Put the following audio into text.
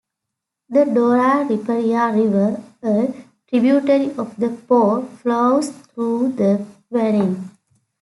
The Dora Riparia river, a tributary of the Po, flows through the valley.